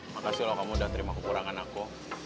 makasih loh kamu udah terima kekurangan aku